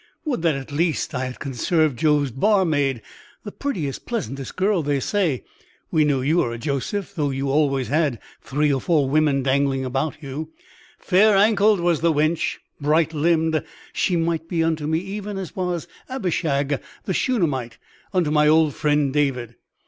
Would that at least I had conserved Jove's barmaid; the prettiest, pleasantest girl they say (we know you are a Joseph, though you always had three or four women dangling about you); fair ankled was the wench, bright limbed; she might be unto me even as was Abishag, the Shunammite, unto my old friend David."